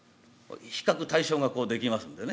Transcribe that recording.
比較対照ができますんでね